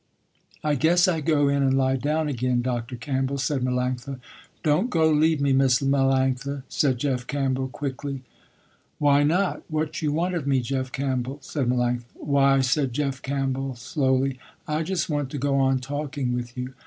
"I guess I go in and lie down again Dr. Campbell," said Melanctha. "Don't go leave me Miss Melanctha," said Jeff Campbell quickly. "Why not, what you want of me Jeff Campbell?" said Melanctha. "Why," said Jeff Campbell slowly, "I just want to go on talking with you.